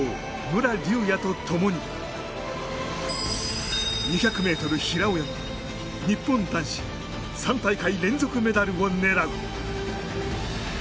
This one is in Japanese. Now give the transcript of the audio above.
武良竜也と共に２００ｍ平泳ぎ、日本男子３大会連続メダルを狙う。